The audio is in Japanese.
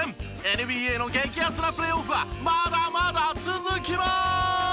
ＮＢＡの激アツなプレーオフはまだまだ続きます！